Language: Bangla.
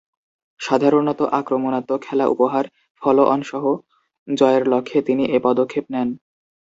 সাধারণতঃ আক্রমণাত্মক খেলা উপহার, ফলো-অনসহ জয়ের লক্ষ্যে তিনি এ পদক্ষেপ নেন।